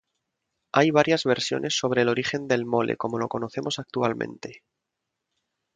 Hay varias versiones sobre el origen del mole como lo conocemos actualmente.